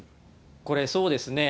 これ、そうですね。